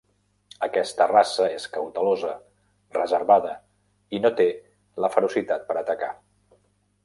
Aquesta raça és cautelosa, reservada i no té la ferocitat per atacar.